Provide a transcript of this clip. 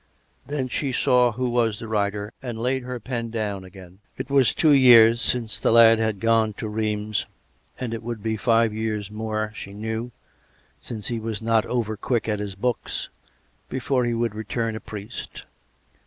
Then she saw who was the rider, and laid her pen down again. It was two years srince the lad had gone to Rheims, and it would be five years more, she knew (since he was not over quick at his books), before he would return a priest.